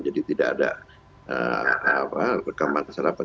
jadi tidak ada rekaman penyadapan